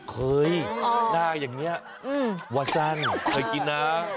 เคยหน้าอย่างนี้วาสั้นเคยกินนะ